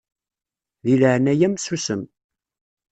Di leɛnaya-m susem.